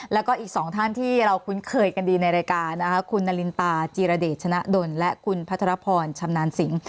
แล้วก็อีกสองท่านที่เราคุ้นเคยกันดีในรายการนะคะคุณนารินตาจีรเดชชนะดนและคุณพัทรพรชำนาญสิง